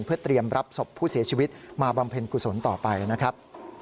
เพื่อเตรียมรับศพผู้เสียชีวิตมาบำเพ็ญกุศลต่อไปนะครับ